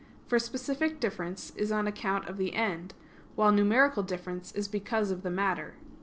For specific difference is on account of the end; while numerical difference is because of the matter.